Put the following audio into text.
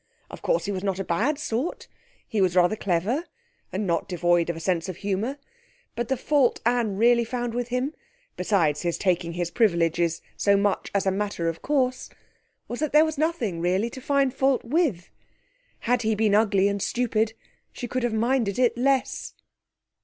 Of course, he was not a bad sort. He was rather clever, and not devoid of a sense of humour, but the fault Anne really found with him, besides his taking his privileges so much as a matter of course, was that there was nothing, really, to find fault with. Had he been ugly and stupid, she could have minded it less.